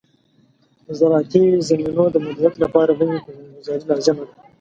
د زراعتي زمینو د مدیریت لپاره نوې پلانګذاري لازم ده.